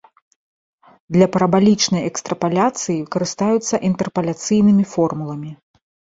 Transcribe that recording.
Для парабалічнай экстрапаляцыі карыстаюцца інтэрпаляцыйнымі формуламі.